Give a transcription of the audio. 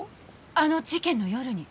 あの事件の夜に？